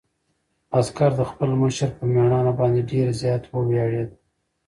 عسکر د خپل مشر په مېړانه باندې ډېر زیات وویاړېد.